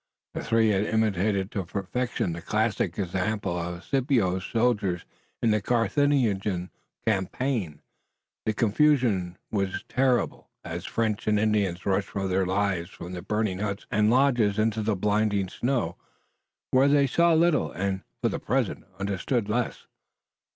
The three had imitated to perfection the classic example of Scipio's soldiers in the Carthaginian camp. The confusion was terrible as French and Indians rushed for their lives from the burning huts and lodges into the blinding snow, where they saw little, and, for the present, understood less.